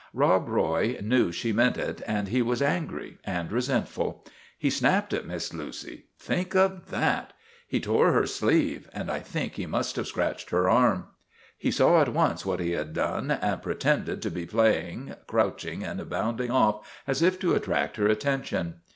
Rob Roy knew she meant it, and he was angry and resentful. He snapped at Miss Lucy think of that! He tore her sleeve, and I think he must have scratched her arm. He saw at once what he had done, and pretended to be playing, crouching and bounding off as if to attract her attention.